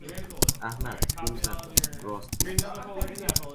احمد، قوز نکن! راست بایست!